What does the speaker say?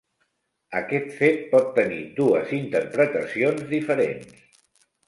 Aquest fet pot tenir dues interpretacions diferents.